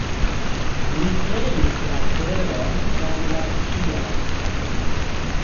Li kreis la teron kaj la ĉielon.